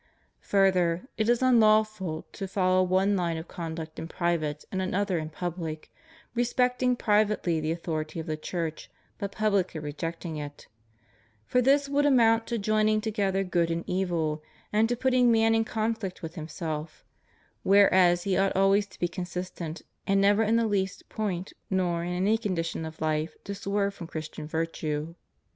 Further, it is unlawful to ' follow one line of conduct in private and another in public, respecting privately the authority of the Church, but publicly rejecting it; for this would amount to joining together good and evil, and to putting man in conflict with himself; whereas he ought always to be consistent, and never in the least point nor in any condition of life to swerve from Christian virtue.